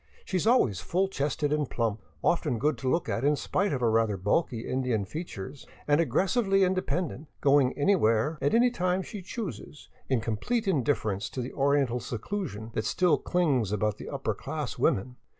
She is always full cheeked and plump, often good to look at in spite of her rather bulky Indian features, and aggressively inde pendent, going anywhere at any time she chooses in complete indiffer ence to the oriental seclusion that still clings about the upper class women.